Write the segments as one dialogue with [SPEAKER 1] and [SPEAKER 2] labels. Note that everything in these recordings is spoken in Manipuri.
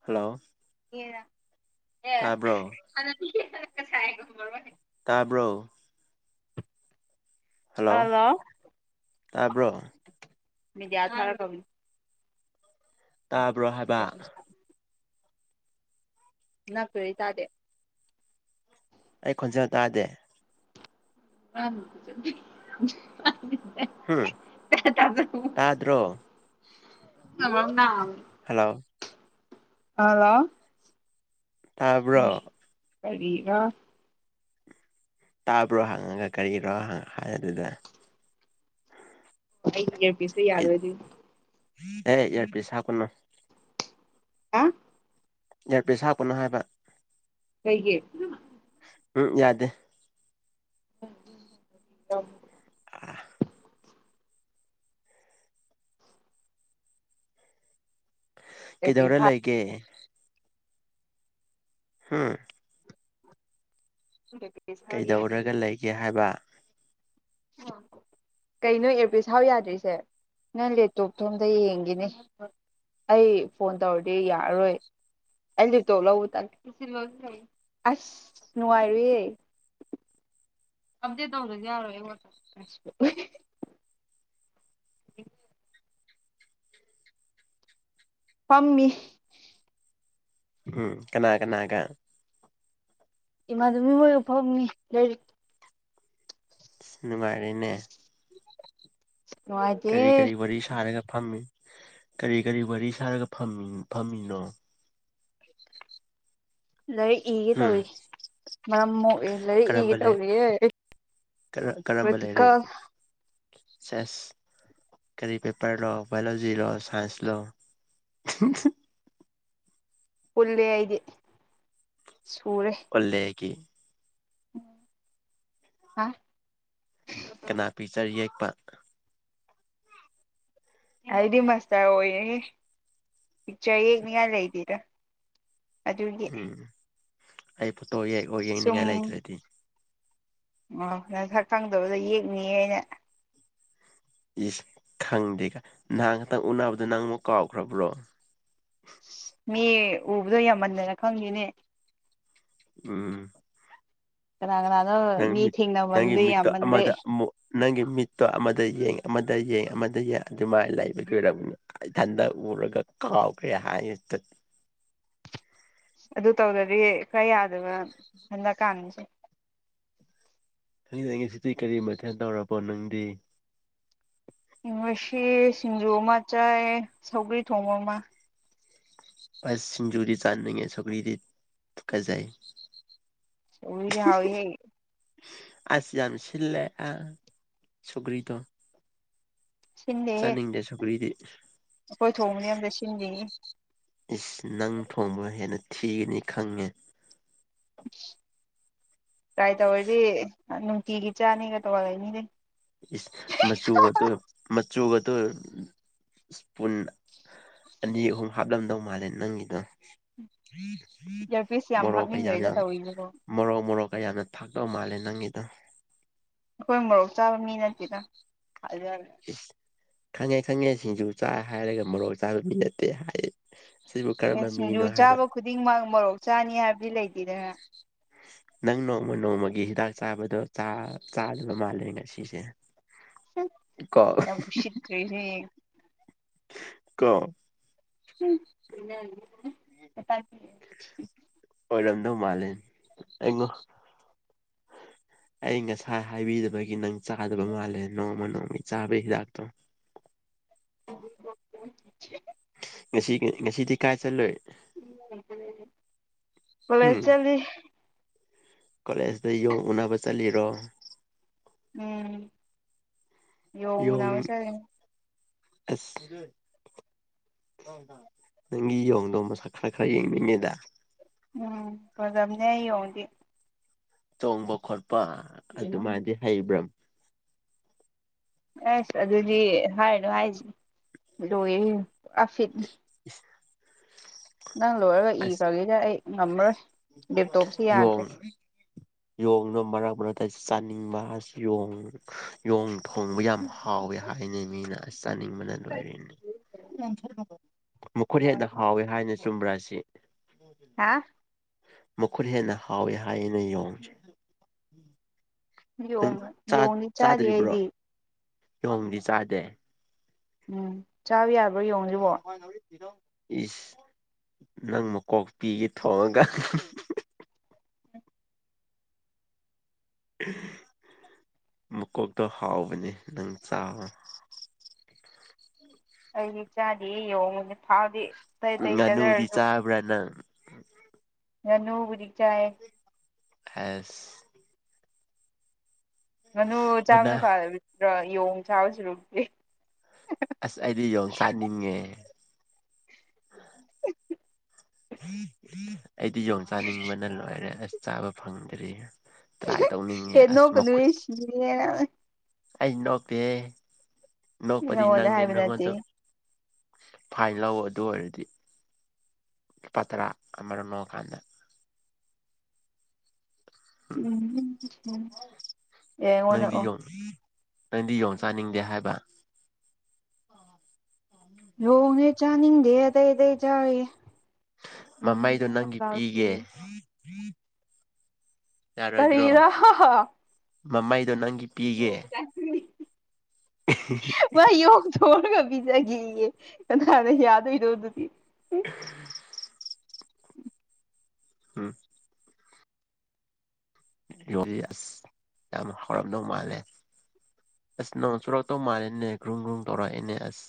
[SPEAKER 1] ꯍꯜꯂꯣ ꯇꯥꯕ꯭ꯔꯣ
[SPEAKER 2] [unintelligible]
[SPEAKER 1] ꯇꯥꯕ꯭ꯔꯣ ꯍꯜꯂꯣ
[SPEAKER 2] ꯑꯥꯜꯂꯣ
[SPEAKER 1] ꯇꯥꯕ꯭ꯔꯣ
[SPEAKER 2] ꯃꯦꯗꯤꯌꯥ ꯊꯥꯔ [unintelligible]
[SPEAKER 1] ꯇꯥꯕ꯭ꯔꯣ ꯍꯥꯏꯕ
[SPEAKER 2] ꯅꯛ [unintelligible] ꯇꯗꯦ
[SPEAKER 1] ꯑꯩ ꯈꯣꯟꯖꯦꯜ ꯇꯥꯗꯦ
[SPEAKER 2] [inaudible]
[SPEAKER 1] ꯍꯨꯝ ꯇꯥꯗ꯭ꯔꯣ
[SPEAKER 2] [unintelligible] [unintelligible]
[SPEAKER 1] ꯍꯜꯂꯣ
[SPEAKER 2] ꯍꯥꯂꯣ
[SPEAKER 1] ꯇꯥꯕ꯭ꯔꯣ
[SPEAKER 2] ꯀꯔꯤꯔ
[SPEAKER 1] ꯇꯥꯕ꯭ꯔꯣ ꯍꯪꯉꯒ ꯀꯔꯤꯔꯣ ꯍꯪ ꯍꯥꯏꯅꯗꯦꯗ
[SPEAKER 2] ꯑꯩꯒꯤ ꯏꯌꯔꯄꯤꯁꯁꯦ ꯌꯥꯗꯕꯥ ꯗꯨꯏ
[SPEAKER 1] ꯑꯦ ꯏꯌꯔꯄꯤꯁ ꯍꯥꯞꯀꯅꯣ
[SPEAKER 2] ꯍꯥ
[SPEAKER 1] ꯏꯌꯔꯄꯤꯁ ꯍꯥꯞꯀꯅꯣ ꯍꯥꯏꯕ
[SPEAKER 2] ꯀꯩꯒꯤ ꯏꯌꯥꯔꯄꯤꯁ
[SPEAKER 1] ꯎꯝ ꯌꯥꯗꯦ
[SPEAKER 2] [unintelligible]
[SPEAKER 1] ꯑꯥ ꯀꯩꯗꯧꯔ
[SPEAKER 2] ꯏꯌꯥꯔꯄꯤꯁ
[SPEAKER 1] ꯂꯩꯒꯦ ꯍꯨꯝ
[SPEAKER 2] [unintelligible] ꯌꯥꯗꯦ
[SPEAKER 1] ꯀꯩꯗꯧꯔꯒ ꯂꯩꯒꯦ ꯍꯥꯏꯕ [unintelligible]
[SPEAKER 2] ꯀꯩꯅꯣ ꯑꯦꯔꯄꯤꯁ ꯍꯥꯞꯄ ꯌꯥꯗ꯭ꯔꯤꯁꯦ ꯅꯪ ꯂꯦꯞꯇꯣꯞꯇꯣ ꯑꯝꯇ ꯌꯦꯡꯒꯦꯅꯦ ꯑꯩ ꯐꯣꯟ ꯇꯧꯔꯗꯤ ꯌꯥꯔꯔꯣꯏ ꯑꯩ ꯂꯦꯞꯇꯣꯞ ꯂꯧꯕ ꯇꯜ [unintelligible] ꯑꯁ ꯅꯨꯡꯉꯥꯏꯔꯣꯏꯌꯦ ꯑꯞꯗꯦꯠ ꯇꯧꯗ꯭ꯔꯁꯨ ꯌꯥꯔꯣꯏ [unintelligible] ꯎꯝ ꯐꯝꯃꯤ
[SPEAKER 1] ꯎꯝ ꯀꯅꯥ ꯀꯅꯥꯒ
[SPEAKER 2] ꯏꯃꯥꯅꯕꯤ ꯃꯈꯣꯏꯒ ꯐꯝꯃꯤ ꯂꯥꯏꯔꯤꯛ
[SPEAKER 1] ꯅꯨꯡꯉꯥꯏꯔꯦꯅꯦ
[SPEAKER 2] [unintelligible] ꯅꯨꯡꯉꯥꯏꯇꯦ
[SPEAKER 1] ꯀꯔꯤ ꯀꯔꯤ ꯋꯥꯔꯤ ꯁꯥꯔꯒ ꯐꯝꯃꯤ ꯀꯔꯤ ꯀꯔꯤ ꯋꯥꯔꯤ ꯁꯥꯔꯒ ꯐꯝꯃꯤ ꯐꯝꯃꯤꯅꯣ
[SPEAKER 2] ꯂꯥꯏꯔꯤꯛ ꯏꯒꯦ
[SPEAKER 1] ꯍꯨꯝ
[SPEAKER 2] ꯇꯧꯔꯤ ꯃꯔꯝ ꯃꯣꯛꯑꯦ ꯂꯥꯏꯔꯤꯛ ꯏꯒꯦ ꯇꯧꯔꯤꯌꯦ
[SPEAKER 1] ꯀ ꯀꯔꯝꯕ ꯂꯥꯏꯔꯤꯛ
[SPEAKER 2] ꯄ꯭ꯔꯦꯛꯇꯤꯀꯦꯜ
[SPEAKER 1] ꯁꯤꯁ ꯀꯔꯤ ꯄꯦꯄꯔ ꯂꯣ ꯕꯥꯏꯌꯣꯂꯣꯖꯤ ꯂꯣ ꯁꯥꯏꯟꯁ ꯂꯣ
[SPEAKER 2] ꯄꯨꯨꯜꯂꯦ ꯑꯩꯗꯤ ꯁꯨꯔꯦ
[SPEAKER 1] ꯄꯨꯜꯂꯦꯒꯤ
[SPEAKER 2] ꯎꯝ ꯍꯥ
[SPEAKER 1] ꯀꯅꯥ ꯄꯤꯛꯆꯔ ꯌꯦꯛꯄ
[SPEAKER 2] ꯑꯩꯗꯤ ꯃꯁꯇꯔ ꯑꯣꯏꯔꯦꯍꯦ ꯄꯤꯛꯆꯔ ꯌꯦꯛꯅꯤꯡꯉꯥꯏ ꯂꯩꯇꯦꯗ ꯑꯗꯨꯒꯤ
[SPEAKER 1] ꯎꯝ ꯑꯩ ꯐꯣꯠꯇꯣ ꯌꯦꯛꯑꯣ
[SPEAKER 2] ꯁꯨꯝ
[SPEAKER 1] ꯌꯦꯛꯅꯤꯡꯉꯥꯏ ꯂꯩꯇ꯭ꯔꯗꯤ
[SPEAKER 2] ꯑꯣ ꯅꯁꯛ ꯈꯪꯗꯕꯗꯣ ꯌꯦꯛꯅꯤꯌꯦ ꯑꯩꯅ
[SPEAKER 1] ꯏꯁꯁ ꯈꯪꯗꯦꯒꯥꯏ ꯅꯍꯥꯟ ꯈꯇꯪ ꯎꯅꯕꯗꯣ ꯅꯪ ꯑꯃꯨꯛ ꯀꯥꯎꯈ꯭ꯔꯕ꯭ꯔꯣ
[SPEAKER 2] ꯃꯤ ꯎꯕꯗꯣ ꯌꯥꯝꯃꯟꯗꯅ ꯈꯪꯗꯦꯅꯦ
[SPEAKER 1] ꯎꯝ
[SPEAKER 2] ꯀꯥꯅꯥ ꯀꯥꯅꯥꯅꯣ
[SPEAKER 1] ꯅꯪ ꯃꯤꯠ ꯅꯪꯒꯤ ꯃꯤꯠꯇꯣ ꯑꯃꯗ ꯑꯃꯨꯛ ꯅꯪꯒꯤ ꯃꯤꯠꯇꯣ ꯑꯃꯗ ꯌꯦꯡ ꯑꯃꯗ ꯌꯦꯡ ꯑꯃꯗ ꯌꯦꯡ ꯑꯗꯨꯃꯥꯏꯅ ꯂꯩꯕꯩ ꯑꯣꯏꯔꯝꯅꯤ ꯏꯊꯟꯗ ꯎꯔꯒ ꯀꯥꯎꯈ꯭ꯔꯦ ꯍꯥꯏꯅ
[SPEAKER 2] ꯑꯗꯨ ꯇꯧꯗꯔꯗꯤ ꯀꯥꯗꯥꯏ ꯌꯥꯗꯣꯏꯕ ꯍꯟꯗꯛꯀꯥꯟꯁꯦ
[SPEAKER 1] ꯉꯁꯤ [unintelligible] ꯗꯤ ꯀꯔꯤ ꯃꯊꯦꯜ ꯇꯧꯔꯕꯣ ꯅꯪꯗꯤ
[SPEAKER 2] ꯉꯁꯤ ꯁꯤꯡꯖꯨ ꯑꯃ ꯆꯥꯏ ꯁꯧꯒ꯭ꯔꯤ ꯊꯣꯡꯕ ꯑꯃ
[SPEAKER 1] ꯑꯁ ꯁꯤꯡꯖꯨꯗꯤ ꯆꯥꯥꯅꯤꯡꯉꯦ ꯁꯧꯒꯔꯤꯗꯤ ꯇꯨꯀꯠꯆꯩ
[SPEAKER 2] ꯁꯧꯒ꯭ꯔꯤꯗꯤ ꯍꯥꯎꯋꯤꯍꯦ꯫
[SPEAKER 1] ꯑꯁ ꯌꯥꯝ ꯁꯤꯜꯂꯦ ꯑ ꯁꯧꯒ꯭ꯔꯤꯗꯣ꯫ ꯆꯥꯅꯤꯡꯗꯦ ꯁꯧꯒ꯭ꯔꯤꯗꯤ꯫
[SPEAKER 2] ꯑꯈꯣꯏ ꯊꯣꯡꯕꯅꯤ ꯑꯝꯇ ꯁꯤꯟꯗꯦꯍꯦ꯫
[SPEAKER 1] ꯏꯁ ꯅꯪ ꯊꯣꯡꯕ ꯍꯦꯟꯅ ꯊꯤꯒꯅꯤ ꯈꯪꯉꯦ꯫
[SPEAKER 2] ꯇ꯭ꯔꯥꯏ ꯇꯧꯔꯗꯤ ꯅꯨꯡꯇꯤꯒꯤ ꯆꯥꯅꯤꯡꯉꯒ ꯇꯧꯔ ꯂꯩꯅꯤꯅꯦ꯫
[SPEAKER 1] ꯏꯁ ꯃꯆꯨꯒꯗꯣ ꯃꯆꯨꯒꯗꯣ ꯁ꯭ꯄꯨꯟ ꯑꯅꯤ ꯑꯍꯨꯝ ꯍꯥꯞꯂꯝꯗꯧ ꯃꯥꯜꯂꯦ ꯅꯪꯒꯤꯗꯣ꯫
[SPEAKER 2] ꯏꯌꯥꯔꯄꯤꯁ ꯌꯥꯝ
[SPEAKER 1] ꯃꯣꯔꯣꯛ ꯀꯌꯥꯝ
[SPEAKER 2] ꯍꯥꯞꯅꯤꯡꯒ꯭ꯔꯦꯗ
[SPEAKER 1] ꯌꯥꯝ
[SPEAKER 2] ꯇꯧꯔꯤꯁꯤꯕꯣ
[SPEAKER 1] ꯃꯣꯔꯣꯛ ꯃꯣꯔꯣꯛꯀ ꯌꯥꯝꯅ ꯊꯥꯛꯗꯧ ꯃꯥꯜꯂꯦ ꯅꯪꯒꯤꯗꯣ꯫
[SPEAKER 2] ꯑꯈꯣꯏ ꯃꯣꯔꯣꯛ ꯆꯥꯕ ꯃꯤ ꯅꯠꯇꯦꯗ ꯍꯥꯏꯖꯜꯂꯦ꯫
[SPEAKER 1] ꯏꯁ ꯈꯪꯉꯦ ꯈꯪꯉꯦ ꯁꯤꯡꯖꯨ ꯆꯥꯏ ꯍꯥꯏꯔꯒ ꯃꯣꯔꯣꯛ ꯆꯥꯕ ꯃꯤ ꯅꯠꯇꯦ ꯍꯥꯏ꯫ ꯁꯤꯕꯨ
[SPEAKER 2] ꯑꯦ
[SPEAKER 1] ꯀꯔꯝꯕ
[SPEAKER 2] ꯁꯤꯡꯖꯨ
[SPEAKER 1] ꯃꯤꯅꯣ ꯍꯥꯏꯕ꯫
[SPEAKER 2] ꯆꯥꯕ ꯈꯨꯗꯤꯡꯃꯛ ꯃꯣꯔꯣꯛ ꯆꯥꯅꯤ ꯍꯥꯏꯕꯗꯤ ꯂꯩꯇꯦꯗꯅ꯫
[SPEAKER 1] ꯅꯪ ꯅꯣꯡꯃ ꯅꯣꯡꯃꯒꯤ ꯍꯤꯗꯥꯛ ꯆꯥꯕꯗꯣ ꯆꯥ ꯆꯥꯗꯕ ꯃꯥꯜꯂꯦ ꯉꯁꯤꯁꯦ꯫ ꯀꫭ
[SPEAKER 2] ꯌꯥꯝ ꯎꯁꯤꯠꯇ꯭ꯔꯤꯁꯦ
[SPEAKER 1] ꯀꫭ
[SPEAKER 2] [inaudible]
[SPEAKER 1] ꯑꯣꯏꯔꯝꯗꯧ ꯃꯥꯜꯂꯦ ꯑꯩꯉꯣ꯫ ꯑꯩ ꯉꯁꯥꯏ ꯍꯥꯏꯕꯤꯗꯕꯒꯤ ꯅꯪ ꯆꯥꯗꯕ ꯃꯥꯜꯂꯦ ꯅꯣꯡꯃ ꯅꯣꯡꯃꯒꯤ ꯆꯥꯕ ꯍꯤꯗꯥꯛꯇꯣ꯫
[SPEAKER 2] [inaudible]
[SPEAKER 1] ꯉꯁꯤ ꯉꯁꯤꯗꯤ ꯀꯥꯏ ꯆꯠꯂꯨꯏ꯫
[SPEAKER 2] ꯀꫭꯜꯂꯦꯖ
[SPEAKER 1] ꯎꯝ
[SPEAKER 2] ꯆꯠꯂꯤ꯫
[SPEAKER 1] ꯀꯣꯂꯦꯖꯇ ꯌꯣꯡ ꯎꯅꯕ ꯆꯠꯂꯤꯔꯣ꯫
[SPEAKER 2] ꯎꯝ ꯌꫭꯡ
[SPEAKER 1] ꯌꯣꯡ
[SPEAKER 2] ꯎꯅꯕ ꯆꯠꯂꯤꯅꯤ꯫
[SPEAKER 1] [unintelligible] ꯅꯪꯒꯤ ꯌꯣꯡꯗꯣ ꯃꯁꯛ ꯈꯔ ꯈꯔ ꯌꯦꯡꯅꯤꯡꯉꯦꯗ꯫
[SPEAKER 2] ꯎꯝ ꯐꯖꯕꯅꯦ ꯑꯩ ꯌꯦꯡꯗꯤ꯫
[SPEAKER 1] ꯆꯣꯡꯕ ꯈꯣꯠꯄ ꯑꯗꯨ ꯃꯥꯗꯤ ꯍꯩꯕ꯭ꯔ꯫
[SPEAKER 2] ꯑꯁ ꯑꯗꯨꯗꯤ ꯍꯥꯏꯔꯅꯨ ꯍꯥꯏꯁꯤꯅꯤ ꯂꯣꯏꯔꯦ ꯄꯨꯔꯥ ꯐꯤꯠꯅꯤ꯫
[SPEAKER 1] [inaudible]
[SPEAKER 2] ꯅꯪ ꯂꯣꯏꯔꯒ ꯏꯈ꯭ꯔꯒꯦꯗꯤ ꯑꯩ ꯉꯝꯃꯔꯣꯏ꯫ ꯂꯦꯞꯇꯣꯞꯁꯤ ꯌꯥꯗ꯭ꯔꯦ
[SPEAKER 1] ꯌꫭꯡ꯫ ꯌꯣꯡꯗꫭ ꯃꯔꯛ ꯃꯔꯛꯇꯁꯨ ꯆꯥꯅꯤꯡꯕ ꯌꫭꯡ ꯌꯣꯡ ꯊꯣꯡꯕ ꯌꯥꯝ ꯍꯥꯎꯋꯤ ꯍꯥꯏꯅ ꯃꯤꯅ ꯆꯥꯅꯤꯡꯕꯅ ꯂꫭꯏꯔꯦꯅꯦ ꯃꯈꯨꯠ ꯍꯦꯟꯅ ꯍꯥꯎꯋꯦ ꯍꯥꯏꯅ ꯆꯨꯝꯕ꯭ꯔꯥ ꯑꯁꯤ꯫
[SPEAKER 2] ꯍꯥ꯫
[SPEAKER 1] ꯃꯈꯨꯠ ꯍꯦꯟꯅ ꯍꯥꯎꯋꯦ ꯍꯥꯏꯑꯦꯅ ꯌꯦꯡꯁꯦ꯫ ꯅꯪ
[SPEAKER 2] ꯌꯣꯡ
[SPEAKER 1] ꯆꯥꯠ
[SPEAKER 2] ꯌꯣꯡꯗꯤ ꯆꯥꯗꯦ
[SPEAKER 1] ꯆꯥꯗ꯭ꯔꯤꯕ꯭ꯔꯣ
[SPEAKER 2] ꯑꯩꯗꯤ
[SPEAKER 1] ꯌꯣꯡꯗꯤ ꯆꯥꯗꯦ꯫
[SPEAKER 2] ꯎꯝ ꯆꯥꯕ ꯌꯥꯕ꯭ꯔꯣ ꯌꯣꯡꯁꯤꯕꯣ꯫
[SPEAKER 1] [inaudible] ꯏꯁ ꯅꯪ ꯃꯀꯣꯛꯄꯤꯒꯦ ꯊꯣꯡꯉꯒ ꯃꯀꯣꯛꯇꯣ ꯍꯥꯎꯕꯅꯦ ꯅꯪ ꯆꯥꯋꫭ꯫
[SPEAKER 2] ꯑꯩꯗꯤ ꯆꯥꯗꯤꯍꯦ ꯌꯦꯡꯉꯨꯅꯦ ꯐꯥꯎꯗꯤ꯫ ꯑꯇꯩ ꯑꯇꯩ
[SPEAKER 1] ꯉꯥꯅꯨꯗꯤ
[SPEAKER 2] ꯆꯥꯖꯔꯁꯨ
[SPEAKER 1] ꯆꯥꯕ꯭ꯔꯥ ꯅꯪ꯫
[SPEAKER 2] ꯉꯥꯅꯨꯕꯨꯗꯤ ꯆꯥꯑꯦ꯫
[SPEAKER 1] ꯍꯦꯁ꯫
[SPEAKER 2] ꯉꯥꯅꯨ ꯆꯥꯕꯅ
[SPEAKER 1] ꯃꯅꯥ
[SPEAKER 2] ꯐꯥꯗ꯭ꯔꯥ ꯌꯦꯣꯡ ꯆꯥꯕꯁꯨꯨꯔꯨ
[SPEAKER 1] ꯑꯁ ꯑꯩꯗꯤ ꯌꯣꯡꯆꯥꯛꯅꯤꯡꯉꯦ ꯑꯩꯗꯤ ꯌꯣꯣꯡ ꯆꯥꯅꯤꯡꯕꯅ ꯂꯣꯏꯔꯦ ꯑꯁ ꯆꯥꯕ ꯐꯪꯗ꯭ꯔꯤ ꯇ꯭ꯔꯥꯏ ꯇꯧꯅꯤꯡꯉꯦ
[SPEAKER 2] ꯍ‌ꯦ
[SPEAKER 1] ꯑꯁ ꯃꯈꯨꯠ
[SPEAKER 2] ꯅꯣꯀꯅꯨꯍ‌ꯦ ꯁꯤꯅꯤꯌ‌ꯦ
[SPEAKER 1] ꯑꯩ ꯅꯣꯛꯇ‌ꯦꯍ‌ꯦ
[SPEAKER 2] ꯅꯪ
[SPEAKER 1] ꯅꯣꯛꯄꯗꯤ
[SPEAKER 2] ꯅꯪꯉꯣꯟꯗ
[SPEAKER 1] ꯅꯪꯅꯦ
[SPEAKER 2] ꯍꯥꯏꯕ
[SPEAKER 1] ꯅꯪꯉꯣꯗ
[SPEAKER 2] ꯅꯠꯇꯦꯍꯦ
[SPEAKER 1] ꯐꯥꯏꯟ ꯂꯧꯑꯣ ꯑꯗꯨ ꯑꯣꯏꯔꯗꯤ ꯄꯇ꯭ꯔꯥ ꯑꯔꯅꯣ ꯀꯥꯟꯗ
[SPEAKER 2] ꯎꯝ
[SPEAKER 1] ꯅꯪꯗꯤ
[SPEAKER 2] ꯌꯥꯡꯉꯣꯟꯗꯑꯣ
[SPEAKER 1] ꯌꯣꯡ ꯅꯪꯗꯤ ꯌꯣꯡ ꯆꯥꯅꯤꯡꯗꯦ ꯍꯥꯏꯕ
[SPEAKER 2] ꯌ‌ꯣꯡꯗꯤ ꯆꯥꯅꯤꯡꯗꯦ ꯑꯇꯩ ꯑꯇꯩ ꯆꯥꯏꯌꯦ
[SPEAKER 1] ꯃꯃꯩꯗꯣ ꯅꯪꯒꯤ ꯄꯤꯒꯦ ꯌꯥꯔꯣꯏꯗ꯭ꯔꯣ
[SPEAKER 2] ꯀꯔꯤꯔꯥ
[SPEAKER 1] ꯃꯃꯥꯏꯗꯣ ꯅꯪꯒꯤ ꯄꯤꯒꯦ
[SPEAKER 2] ꯌ‌ꯣꯡ ꯊ‌ꯣꯡꯉꯥꯒꯥ ꯄꯤꯖꯥꯒ‌ꯦꯌ‌ꯦ ꯀꯅꯥꯅꯥ ꯌꯥꯗ‌ꯣꯏꯅ‌ꯣ ꯗꯨꯗꯤ
[SPEAKER 1] [unintelligible] ꯎꯝ ꯌꯣꯡꯁ‌ꯦ ꯑꯁ ꯌꯥꯝ ꯍꯥꯎꯔꯝꯗꯧ ꯃꯥꯜꯂꯦ ꯑꯁ ꯅꯣꯡ ꯆꯨꯔꯛꯇꯧ ꯃꯥꯜꯂꯦꯅꯦ ꯒ꯭ꯔꯨꯝ ꯒ꯭ꯔꯨꯡ ꯇꯧꯔꯛꯑꯦꯅꯦ ꯑꯁ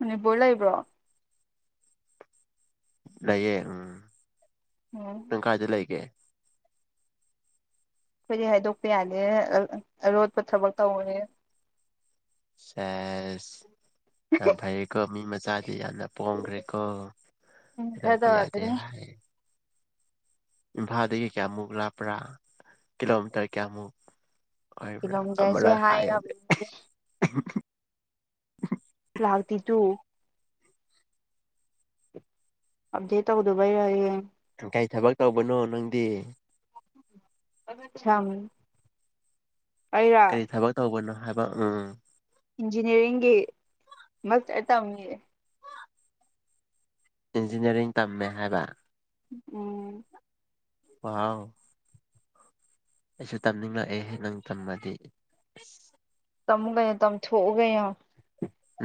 [SPEAKER 2] ꯃꯅꯤꯄꯨꯔ ꯂꯩꯕ꯭ꯔꯣ
[SPEAKER 1] ꯂꯩꯌꯦ ꯎꯝ
[SPEAKER 2] ꯎꯝ
[SPEAKER 1] ꯅꯪ
[SPEAKER 2] ꯑꯩꯈꯣꯏꯗꯤ
[SPEAKER 1] ꯀꯥꯏꯗ ꯂꯩꯒꯦ
[SPEAKER 2] ꯑꯩꯈꯣꯏꯗꯤ ꯍꯥꯏꯗꯣꯛꯄ ꯌꯥꯗ‌ꯦ ꯑꯔꯣꯠꯄ ꯊꯕꯛ ꯇꯧꯋꯦ
[SPEAKER 1] ꯁꯦꯁ ꯌꯥꯝ ꯐꯩꯀꯣ ꯃꯤ ꯃꯆꯥꯗꯤ ꯌꯥꯝꯅ ꯄꯣꯝꯈ꯭ꯔꯦꯀꯣ
[SPEAKER 2] ꯎꯝ ꯈꯔ
[SPEAKER 1] ꯍꯥꯏꯩꯗꯣꯛꯄ ꯌꯥꯗꯦ
[SPEAKER 2] ꯇꯧꯔꯛꯀꯅꯤ
[SPEAKER 1] ꯍꯥꯏ ꯏꯝꯐꯥꯜꯗꯒꯤ ꯀꯌꯥꯃꯨꯛ ꯂꯥꯞꯄ꯭ꯔꯥ ꯀꯤꯂꯣꯃꯤꯇꯔ ꯀꯌꯥꯃꯨꯛ
[SPEAKER 2] ꯀꯤꯂꯣꯃꯤꯇꯔꯁꯦ
[SPEAKER 1] ꯑꯃꯥꯔꯛ ꯍꯥꯏꯌꯨꯅ‌ꯦ
[SPEAKER 2] ꯍꯥꯏꯅꯕꯅꯤ ꯂꯥꯛꯇ‌ꯦ ꯇꯨ ꯑꯞꯗ‌ꯦꯠ ꯇꯧꯗꯕꯩꯔ ꯍꯌ‌ꯦꯡ
[SPEAKER 1] ꯀꯩ ꯊꯕꯛ ꯇꯧꯕꯅꯣ ꯅꯪꯗꯤ
[SPEAKER 2] ꯁꯝ ꯑꯩꯔ
[SPEAKER 1] ꯀꯩ ꯊꯕꯛ ꯇꯧꯕꯅꯣ ꯍꯥꯏꯕ ꯎꯝ
[SPEAKER 2] ꯏꯟꯖꯤꯅꯤꯌꯥꯔꯤꯡꯒꯤ ꯃꯔꯛꯇ ꯇꯝꯃꯤꯌꯦ
[SPEAKER 1] ꯏꯟꯖꯤꯅꯤꯌꯥꯔꯤꯡ ꯇꯝꯃꯦ ꯍꯥꯏꯕ
[SPEAKER 2] ꯎꯝ
[SPEAKER 1] ꯋꯥꯎ ꯑꯩꯁꯨ ꯇꯝꯅꯤꯡꯉꯛꯑꯦ ꯅꯪ ꯇꯝꯃꯗꯤ
[SPEAKER 2] ꯇꯝꯃꯨ ꯀꯩꯅ‌ꯣ ꯇꯝ ꯊꯣꯛꯎ ꯀꯩꯅ‌ꯣ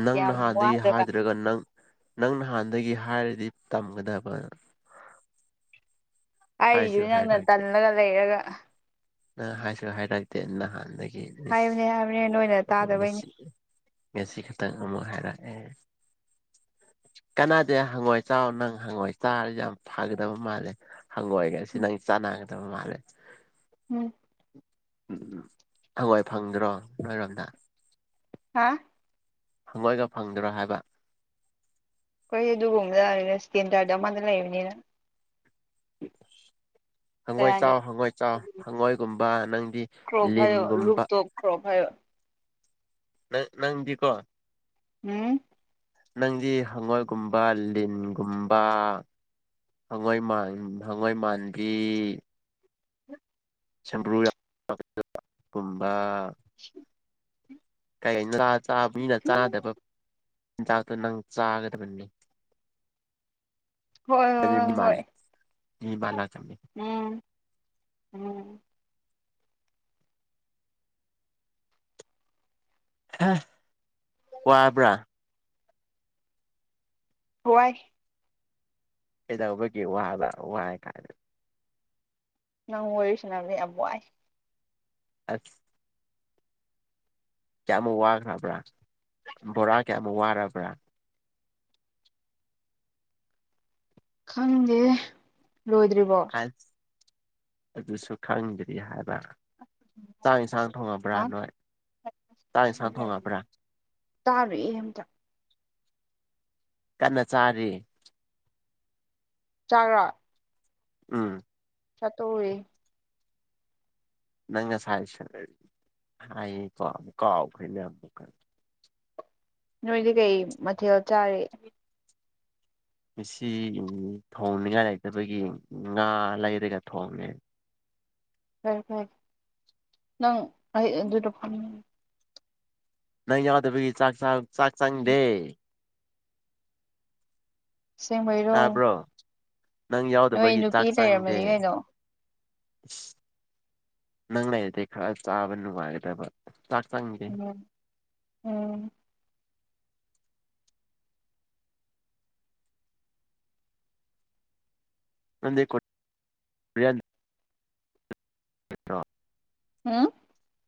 [SPEAKER 1] ꯅꯪ ꯅꯍꯥꯟꯗꯒꯤ ꯍꯥꯏꯗ꯭ꯔꯒ ꯅꯪ ꯅꯪ ꯅꯍꯥꯟꯗꯒꯤ ꯍꯥꯏꯔꯗꯤ ꯇꯝꯒꯗꯕ ꯍꯥꯏꯁꯨ
[SPEAKER 2] ꯍꯥꯏꯔꯤꯗꯨ ꯅꯪꯅ
[SPEAKER 1] ꯍꯥꯏꯔꯛꯇꯦ
[SPEAKER 2] ꯇꯜꯂꯒ ꯂꯩꯔꯒ
[SPEAKER 1] ꯅꯪ ꯍꯥꯏꯁꯨ ꯍꯥꯏꯔꯛꯇꯦ ꯅꯍꯥꯟꯗꯒꯤ ꯏꯁ
[SPEAKER 2] ꯍꯥꯏꯕꯅꯦ ꯍꯥꯏꯕꯅꯦ ꯅꯣꯏꯅ ꯇꯥꯗꯕꯩꯅꯦ
[SPEAKER 1] ꯉꯁꯤ ꯉꯁꯤ ꯈꯛꯇꯪ ꯑꯃꯨꯛ ꯍꯥꯏꯔꯛꯑꯦ ꯀꯅꯥꯗ ꯍꯪꯉꯣꯏ ꯆ ꯅꯪ ꯍꯪꯉꯣꯏ ꯆꯥꯔꯁꯨ ꯌꯥꯝ ꯐꯒꯗꯕ ꯃꯥꯜꯂꯦ ꯍꯪꯉꯣꯏꯒꯦ ꯁꯤ
[SPEAKER 2] ꯎꯝ
[SPEAKER 1] ꯅꯪ ꯆꯥꯟꯅꯒꯗꯕ ꯃꯥꯜꯂꯦ
[SPEAKER 2] ꯎꯝ
[SPEAKER 1] ꯍꯪꯉ‌ꯣꯏ ꯐꯪꯗ꯭ꯔꯣ ꯅꯣꯏꯔꯣꯝꯗ
[SPEAKER 2] ꯍꯥ
[SPEAKER 1] ꯍꯪꯉꯣꯏꯒ ꯐꯪꯗ꯭ꯔꯥ ꯍꯥꯏꯕ
[SPEAKER 2] ꯈꯣꯏꯗꯤ ꯗꯨꯒꯨꯝꯕꯗ [unintelligible] ꯏꯁꯇꯦꯟꯗꯔꯗ ꯑꯃꯗ ꯂꯩꯕꯅꯤꯅ ꯀꯩ
[SPEAKER 1] ꯍꯪꯒꯣꯏ
[SPEAKER 2] ꯍꯥꯏꯅꯣ
[SPEAKER 1] ꯆꯥꯎ ꯍꯪꯒꯣꯏ ꯆꯥꯎ ꯍꯪꯉꯣꯏꯒꯨꯝꯕ ꯅꯪꯗꯤ
[SPEAKER 2] ꯀ꯭ꯔꯣꯞ ꯍꯥꯏꯌꯣ
[SPEAKER 1] ꯂꯤꯟꯒꯨꯝꯕ
[SPEAKER 2] [unintelligible]
[SPEAKER 1] ꯅꯪ ꯅꯪꯗꯤꯀꯣ
[SPEAKER 2] ꯍꯝ
[SPEAKER 1] ꯅꯪꯗꯤ ꯍꯪꯉꯣꯏꯒꯨꯝꯕ ꯂꯤꯟꯒꯨꯝꯕ ꯍꯪꯉꯣꯏ ꯃꯥꯟ ꯍꯪꯉꯣꯏ ꯃꯥꯟꯕꯤ ꯁꯕ꯭ꯔꯨ ꯌꯥꯝ ꯀꯨꯝꯕ
[SPEAKER 2] [inaudible]
[SPEAKER 1] ꯀꯩꯥ ꯉꯥ ꯆꯥꯕ ꯃꯤꯅ ꯆꯥꯗꯕ ꯆꯤꯟꯖꯥꯛꯇꯣ ꯅꯪ ꯆꯥꯒꯗꯕꯅꯤ
[SPEAKER 2] ꯍꯣꯏ ꯍꯣꯏ ꯍꯣꯏ ꯍꯣꯏ
[SPEAKER 1] [unintelligible]
[SPEAKER 2] ꯎꯝ ꯎꯝ
[SPEAKER 1] ꯍꯥ ꯋꯥꯕ꯭ꯔꯥ
[SPEAKER 2] ꯋꯥꯏ
[SPEAKER 1] ꯀꯩꯗꯧꯕꯒꯤ ꯋꯥꯕ ꯋꯥꯏ ꯀꯥꯏꯅ
[SPEAKER 2] ꯅꯪ ꯋꯥꯔꯤ ꯁꯥꯟꯕꯅꯤ ꯌꯥꯝ ꯋꯥꯏ
[SPEAKER 1] ꯑꯁ ꯀꯌꯥꯃꯨꯛ ꯋꯥꯈ꯭ꯔꯕ꯭ꯔꯥ ꯕꯣꯔꯥ ꯀꯌꯥꯃꯨꯛ ꯋꯥꯔꯕ꯭ꯔꯥ
[SPEAKER 2] ꯈꯪꯗꯦ ꯂꯣꯏꯗ꯭ꯔꯤꯕꯣ
[SPEAKER 1] ꯑꯗꯨꯁꯨ ꯈꯪꯗꯔꯤ ꯍꯥꯏꯕ ꯆꯥꯛ ꯑꯦꯟꯁꯥꯡ ꯊꯣꯡꯉꯕ꯭ꯔꯥ
[SPEAKER 2] ꯍꯥ
[SPEAKER 1] ꯅꯣꯏ ꯆꯥꯛ ꯑꯦꯟꯁꯥꯡ ꯊꯣꯡꯉꯕ꯭ꯔꯥ
[SPEAKER 2] ꯇꯥꯔꯨꯏ ꯏ ꯑꯝꯇ
[SPEAKER 1] ꯀꯟꯅ ꯆꯥꯔꯤ
[SPEAKER 2] ꯆꯥꯛꯔꯥ
[SPEAKER 1] ꯎꯝ
[SPEAKER 2] [unintelligible]
[SPEAKER 1] ꯅꯪ ꯉꯁꯥꯏ [unintelligible] ꯍꯥꯏꯌꯦꯀꯣ ꯀꯥꯎꯈ꯭ꯔꯦꯅꯦ ꯑꯃꯨꯛꯀ
[SPEAKER 2] ꯅꯣꯏꯗꯤ ꯀꯩ ꯃꯊꯦꯜ ꯆꯥꯔꯤ
[SPEAKER 1] ꯉꯁꯤ ꯎꯝ ꯊꯣꯡꯅꯤꯉꯥꯏ ꯂꯩꯇꯕꯒꯤ ꯉꯥ ꯂꯩꯔꯒ ꯊꯣꯡꯉꯦ
[SPEAKER 2] ꯐꯔꯦ ꯐꯔꯦ ꯅꯪ ꯑꯩ ꯑꯗꯨꯗ ꯐꯪꯅꯤꯡ
[SPEAKER 1] ꯅꯪ ꯌꯥꯎꯗꯕꯒꯤ ꯆꯥꯛ ꯆꯥ ꯆꯥꯛ ꯆꯪꯗꯦ
[SPEAKER 2] ꯁꯦꯡꯕꯩꯔꯣ
[SPEAKER 1] ꯇꯥꯕ꯭ꯔꯣ ꯅꯪ ꯌꯥꯎꯗꯕꯒꯤ ꯆꯥꯛ ꯆꯪꯗꯦ
[SPEAKER 2] ꯂꯩꯔꯝꯃꯅꯤ ꯀꯩꯅꯣ
[SPEAKER 1] ꯏꯁ ꯅꯪ ꯂꯩꯔꯗꯤ ꯈꯔ ꯆꯥꯕ ꯅꯨꯡꯉꯥꯏꯒꯗꯕ ꯆꯥꯛ ꯆꯪ
[SPEAKER 2] ꯎꯝ ꯎꯝ
[SPEAKER 1] [unintelligible] [unintelligible]
[SPEAKER 2] ꯍꯝ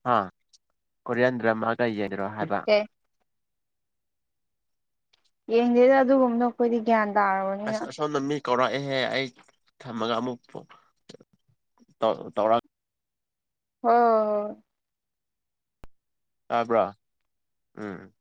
[SPEAKER 1] ꯍꯥ ꯀꯣꯔꯤꯌꯥꯟ ꯗ꯭ꯔꯃꯥꯀ ꯌꯦꯡꯗ꯭ꯔꯣ ꯍꯥꯏꯕ
[SPEAKER 2] ꯀꯩ ꯌꯦꯡꯗꯦꯗ ꯑꯗꯨꯒꯨꯝꯗ‌ꯣ ꯈꯣꯏꯗꯤ ꯒ꯭ꯌꯥꯟ ꯇꯥꯔ‌ꯣꯏ
[SPEAKER 1] ꯑꯁ ꯑꯁ‌ꯣꯟꯗ ꯃꯤ ꯀꯧꯔꯛꯑꯦꯍꯦ ꯑꯩ ꯊꯝꯃꯒ ꯑꯃꯨꯛ ꯇꯧ ꯇꯧꯔꯛ
[SPEAKER 2] ꯑꯣ
[SPEAKER 1] ꯇꯥꯕ꯭ꯔꯣ ꯎꯝ